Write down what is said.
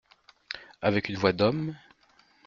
Avec une voix d’homme ?